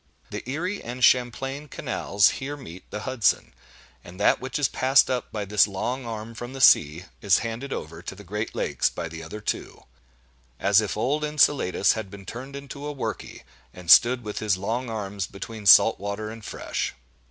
The Erie and Champlain canals here meet the Hudson; and that which is passed up by this long arm from the sea, is handed over to the great lakes by the other two,—as if old Enceladus had been turned into a "worky," and stood with his long arms between salt water and fresh.